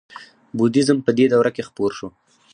بودیزم په دې دوره کې خپور شو